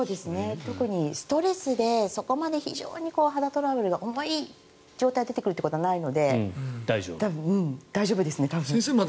特にストレスでそこまで非常に肌トラブルが多い状態で出てくるということはないので先生まで